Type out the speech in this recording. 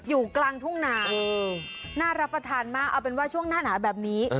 อยู่กลางทุ่งนาน่ารับประทานมากเอาเป็นว่าช่วงหน้าหนาแบบนี้